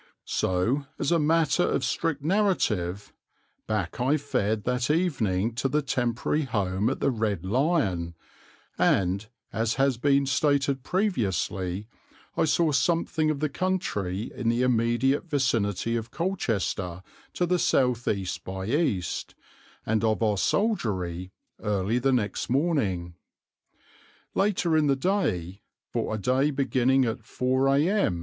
So, as a matter of strict narrative, back I fared that evening to the temporary home at the "Red Lion" and, as has been stated previously, I saw something of the country in the immediate vicinity of Colchester to the south east by east, and of our soldiery, early the next morning. Later in the day for a day beginning at 4 a.m.